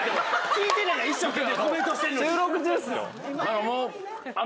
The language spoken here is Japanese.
聞いてない一生懸命コメントしてるのに。